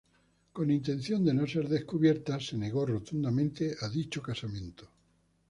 Con intención de no ser descubierta, se negó rotundamente a dicho casamiento.